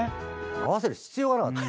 合わせる必要がなかった。